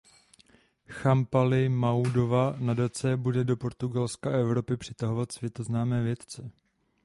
Champalimaudova nadace bude do Portugalska a Evropy přitahovat světoznámé vědce.